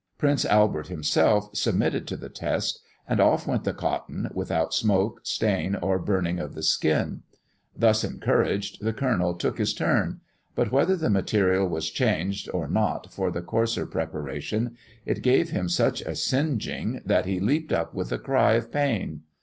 Prince Albert himself submitted to the test, and off went the cotton, without smoke, stain, or burning of the skin. Thus encouraged, the colonel took his turn; but whether the material was changed or not for the coarser preparation, it gave him such a singeing that he leaped up with a cry of pain.